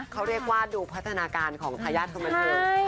เขาได้กว้าดดูพัฒนาการของพระญาติธรรมดาเทิง